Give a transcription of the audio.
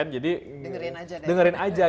jadi dengerin saja